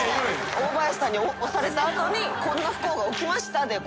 大林さんに推された後にこんな不幸が起きました。